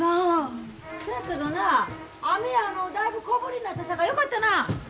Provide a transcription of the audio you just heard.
そやけどなあ雨だいぶ小降りになったさかよかったな。